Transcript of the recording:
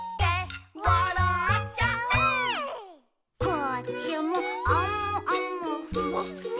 「こっちもあむあむふわっふわ」